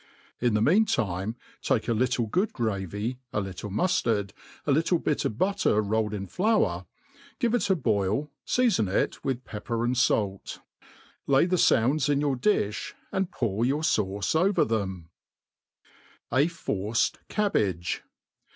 In the mean time take a little good gravy, a little Ikniftard^ a little bit of butter rolled in flour, give it a boil, feafon it with pepper and fait. Lay the founds in your difh^ and pour youif iauce over them* •• A forced Cahhage.